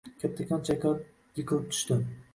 Kattakon chayqalib yiqilib tushdi.